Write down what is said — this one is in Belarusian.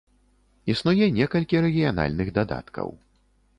Існуе некалькі рэгіянальных дадаткаў.